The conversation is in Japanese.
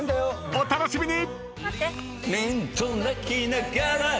［お楽しみに！］